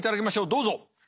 どうぞ！